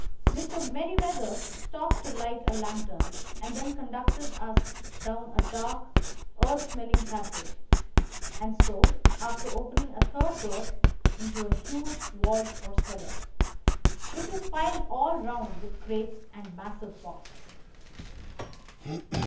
Mr. Merryweather stopped to light a lantern, and then conducted us down a dark, earth smelling passage, and so, after opening a third door, into a huge vault or cellar, which was piled all round with crates and massive boxes.